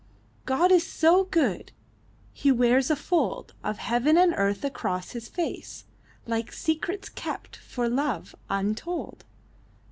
God is so good, He wears a fold Of heaven and earth across His face — Like secrets kept, for love, untold.